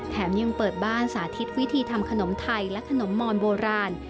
ยังเปิดบ้านสาธิตวิธีทำขนมไทยและขนมมอนโบราณ